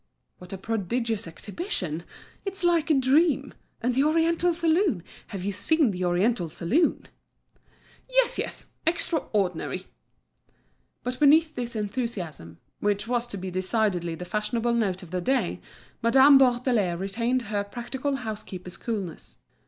"What a prodigious exhibition! It's like a dream. And the oriental saloon! Have you seen the oriental saloon?" "Yes, yes; extraordinary!" But beneath this enthusiasm, which was to be decidedly the fashionable note of the day, Madame Bourdelais retained her practical housekeeper's coolness.